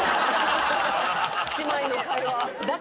姉妹の会話。